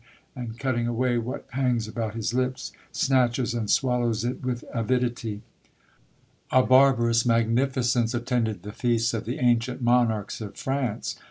and cutting away what hangs about his lips, snatches and swallows it with avidity. A barbarous magnificence attended the feasts of the ancient monarchs of France.